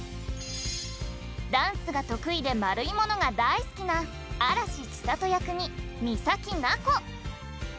ダンスが得意で丸いものが大好きな嵐千砂都役に岬なこ。